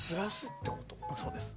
そうです。